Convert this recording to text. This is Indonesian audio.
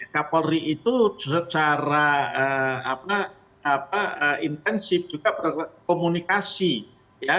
kak polri itu secara apa apa intensif juga berkomunikasi ya